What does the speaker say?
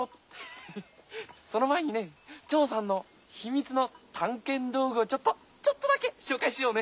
ヘヘッその前にねチョーさんのひみつのたんけんどうぐをちょっとちょっとだけしょうかいしようね。